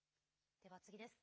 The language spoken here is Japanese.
では、次です。